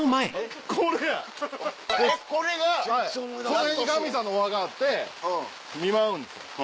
その辺にガミさんのお墓があって見舞うんです。